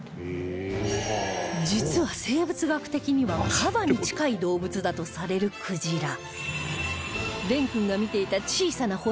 実は生物学的にはカバに近い動物だとされるクジラ